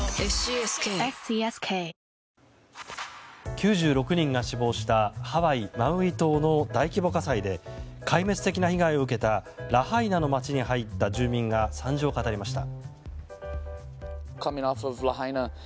９６人が死亡したハワイ・マウイ島の大規模火災で壊滅的な被害を受けたラハイナの街に入った住民が惨状を語りました。